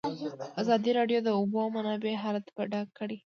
ازادي راډیو د د اوبو منابع حالت په ډاګه کړی.